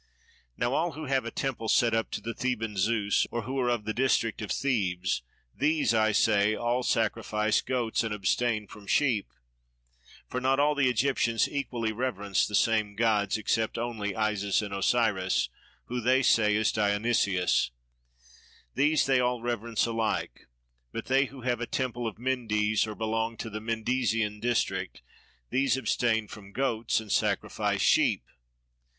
Now all who have a temple set up to the Theban Zeus or who are of the district of Thebes, these, I say, all sacrifice goats and abstain from sheep: for not all the Egyptians equally reverence the same gods, except only Isis and Osiris (who they say is Dionysos), these they all reverence alike: but they who have a temple of Mendes or belong to the Mendesian district, these abstain from goats and sacrifice sheep.